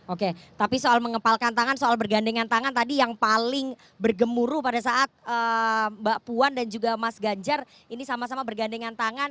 oke tapi soal mengepalkan tangan soal bergandengan tangan tadi yang paling bergemuruh pada saat mbak puan dan juga mas ganjar ini sama sama bergandengan tangan